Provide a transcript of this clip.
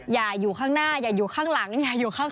อยู่ข้างหน้าอย่าอยู่ข้างหลังอย่าอยู่ข้าง